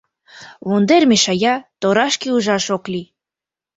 Вондер мешая, торашке ужаш ок лий.